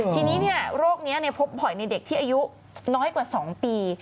ทีนี้เนี่ยโรคนี้เนี่ยพบปล่อยในเด็กที่อายุน้อยกว่า๒ปี